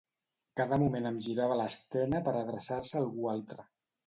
Cada moment em girava l'esquena per adreçar-se a algú altre.